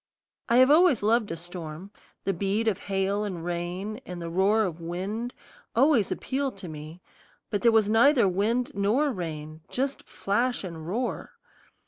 I have always loved a storm; the beat of hail and rain, and the roar of wind always appeal to me; but there was neither wind nor rain, just flash and roar.